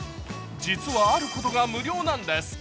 実は、あることが無料なんです。